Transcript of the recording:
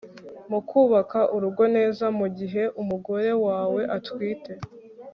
mu kubaka urugo neza mu gihe umugore wawe atwite